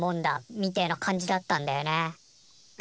みてえな感じだったんだよね。